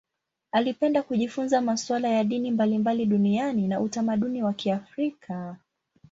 Alipenda kujifunza masuala ya dini mbalimbali duniani na utamaduni wa Kiafrika.